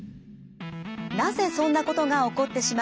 なぜそんなことが起こってしまうんでしょうか。